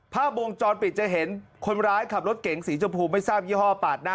ภาพวงจรปิดจะเห็นคนร้ายขับรถเก๋งสีชมพูไม่ทราบยี่ห้อปาดหน้า